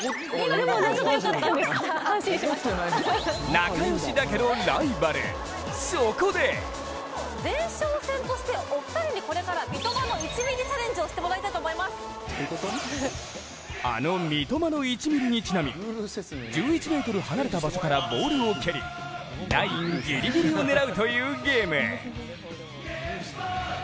仲良しだけどライバル、そこであの三笘の１ｍｍにちなみ１１ｍ離れた場所からボールを蹴りラインギリギリを狙うというゲーム。